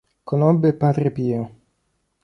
Conobbe Padre Pio.